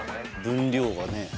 分量がね